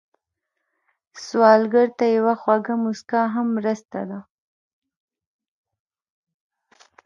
سوالګر ته یوه خوږه مسکا هم مرسته ده